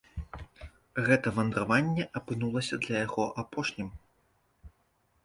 Гэта вандраванне апынулася для яго апошнім.